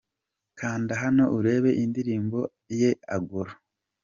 Kanda hano urebe indirimbo ye Agoro